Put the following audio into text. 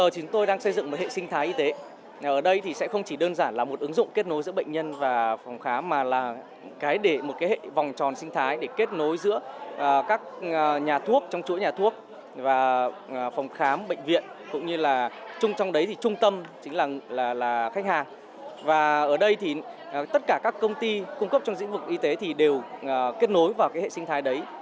các công ty cung cấp trong dĩnh vực y tế thì đều kết nối vào cái hệ sinh thái đấy